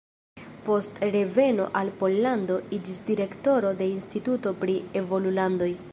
Post reveno al Pollando iĝis direktoro de Instituto pri Evolulandoj.